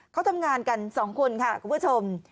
เขาทำงานกัน๒คนค่ะคุณผู้ชม